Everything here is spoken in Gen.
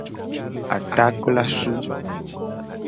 Atakplasu.